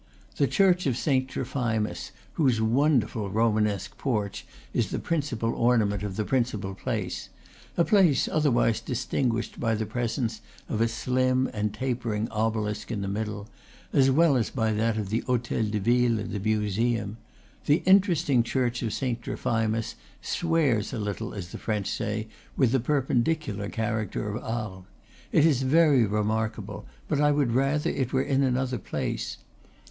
The church of Saint Trophimus, whose wonderful Romanesque porch is the principal ornament of the principal place, a place otherwise distinguished by the presence of a slim and tapering obelisk in the middle, as well as by that of the Hotel de Ville and the museum the interesting church of Saint Trophimus swears a little, as the French say, with the peculiar character of Arles. It is very remarkable, but I would rather it were in another place.